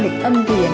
cảm ơn các bạn